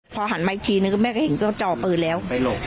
พอหันมาอีกทีนึงแม่ก็เห็นก็จ่อปืนแล้ว